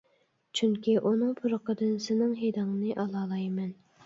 چۈنكى، ئۇنىڭ پۇرىقىدىن سېنىڭ ھىدىڭنى ئالالايمەن.